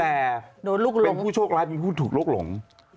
แต่เป็นผู้โชคร้ายเป็นผู้ถูกลุกหลง